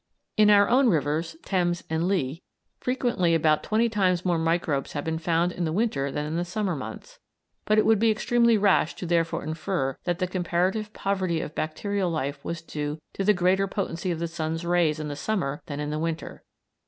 In our own rivers Thames and Lea frequently about twenty times more microbes have been found in the winter than in the summer months, but it would be extremely rash to therefore infer that the comparative poverty of bacterial life was due to the greater potency of the sun's rays in the summer than in the winter.